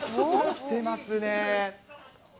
きてますね。